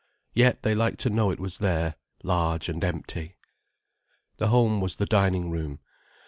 Yet they liked to know it was there, large and empty. The home was the dining room.